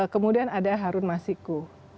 kemudian ada harun masiku